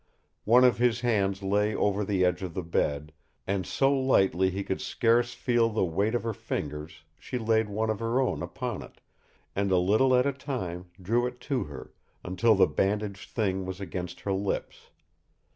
One of his hands lay over the edge of the bed, and so lightly he could scarce feel the weight of her fingers she laid one of her own upon it, and a little at a time drew it to her, until the bandaged thing was against her lips.